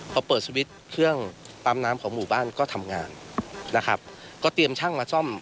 พอเปิดสวิตช์เครื่องปั๊มน้ำของหมู่บ้านก็ทำงานนะครับก็เตรียมช่างมาซ่อม